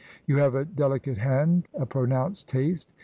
"You have a delicate hand, a pronounced taste.